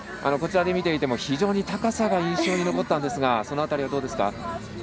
こちらで見ていても非常に高さが印象に残ったんですがその辺りはどうですか。